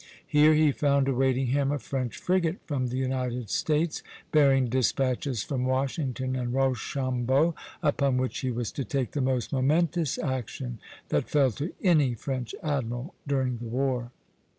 Here he found awaiting him a French frigate from the United States, bearing despatches from Washington and Rochambeau, upon which he was to take the most momentous action that fell to any French admiral during the war.